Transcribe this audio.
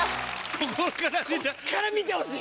ここから見てほしい！